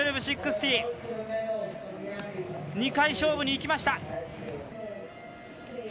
１２６０、２回勝負にいきました。